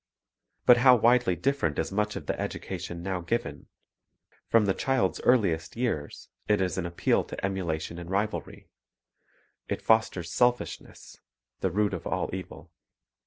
But how widely different is much of the education now given! From the child's earliest years it is an appeal to emula tion and rivalry; it fosters selfishness, the root of all evil.